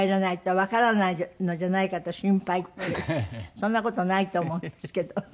そんな事ないと思うんですけど。